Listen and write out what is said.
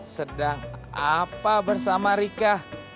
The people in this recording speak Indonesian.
sedang apa bersama rika